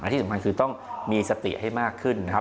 ที่สำคัญคือต้องมีสติให้มากขึ้นนะครับ